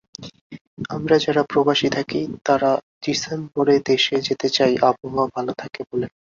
আমরা যারা প্রবাসে থাকি তারা ডিসেম্বরে দেশে যেতে চাই আবহাওয়া ভালো থাকে বলে।